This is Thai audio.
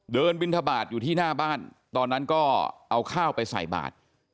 บินทบาทอยู่ที่หน้าบ้านตอนนั้นก็เอาข้าวไปใส่บาท